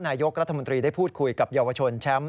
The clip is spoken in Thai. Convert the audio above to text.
นายกรัฐมนตรีได้พูดคุยกับเยาวชนแชมป์